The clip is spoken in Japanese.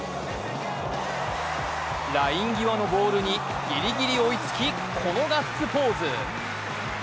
ライン際のボールにギリギリ追いつき、このガッツポーズ。